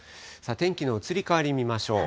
天気の移り変わり見ましょう。